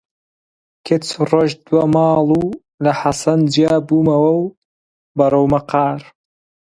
کچ ڕۆیشت بۆ ماڵ و لە حەسەن جیا بوومەوە و بەرەو مەقەڕ